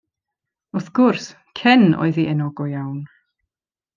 Wrth gwrs, Cen oedd ei enw go iawn.